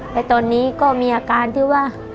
และตอนนี้ก็มีอาการที่ว่า